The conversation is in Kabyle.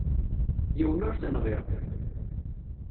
Yiwen ur t-nɣiɣ.